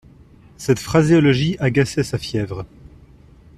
Cette phraséologie agaçait sa fièvre.